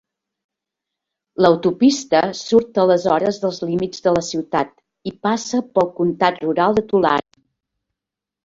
L'autopista surt aleshores dels límits de la ciutat i passa pel comtat rural de Tulare.